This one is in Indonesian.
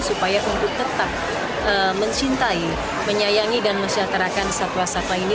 supaya untuk tetap mencintai menyayangi dan mesyatarakan satwa satwa ini